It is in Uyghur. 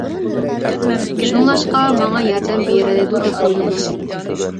شۇڭلاشقا ماڭا ياردەم بېرەلەيدۇ دەپ ئويلىدىم.